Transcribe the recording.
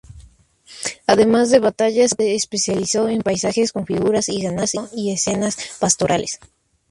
Además de batallas, se especializó en paisajes con figuras y ganado y escenas pastorales.